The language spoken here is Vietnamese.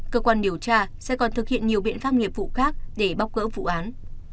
cơ quan điều tra sẽ còn thực hiện nhiều biện pháp nghiệp vụ khác để bóc gỡ vụ án